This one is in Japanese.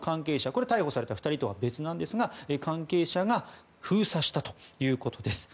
これは、逮捕された２人とは別なんですが、関係者が封鎖したということです。